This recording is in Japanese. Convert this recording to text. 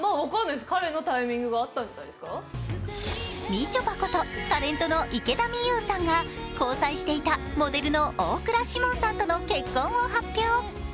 みちょぱことタレントの池田美優さんが交際していたモデルの大倉士門さんとの結婚を発表。